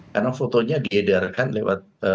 karena fotonya dihidarkan lewat